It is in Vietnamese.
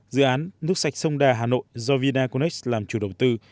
dự án nước sạch sông đà hà nội do vinaconex làm chủ đầu tư